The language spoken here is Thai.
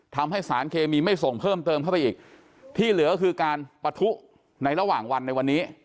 ทำให้สารเคมีไม่ส่งเพิ่มเติมเข้าไปอีกที่เหลือคือการปะทุในระหว่างวันในวันนี้